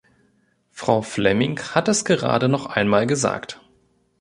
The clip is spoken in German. Frau Flemming hat es gerade noch einmal gesagt.